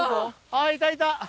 あぁいたいた。